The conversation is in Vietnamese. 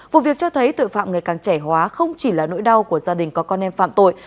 vụ việc cho thấy tội phạm ngày càng trẻ hóa không chỉ là nỗi đau của gia đình có con em phạm tội